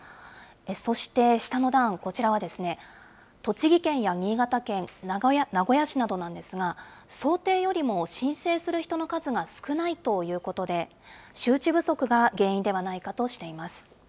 そして下の段、こちらは、栃木県や新潟県、名古屋市などなんですが、想定よりも申請する人の数が少ないということで、周知不足が原因ではないかとしています。